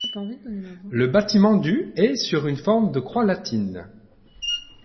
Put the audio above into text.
Le bâtiment du est sur une forme de croix latine.